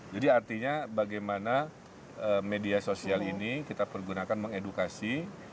jadi artinya bagaimana media sosial ini kita pergunakan mengedukasi